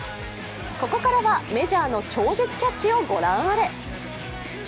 ここからはメジャーの超絶キャッチをご覧あれ。